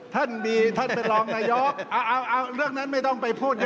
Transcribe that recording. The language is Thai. ท่านเป็นรองนายกเรื่องนั้นไม่ต้องไปพูดเยอะ